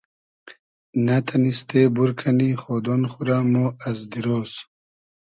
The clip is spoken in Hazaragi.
نۂ تئنیستې بور کئنی خۉدۉن خو رۂ مۉ از دیرۉز